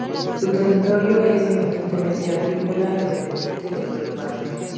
Su territorio es eminentemente agrícola y dependiente del olivar.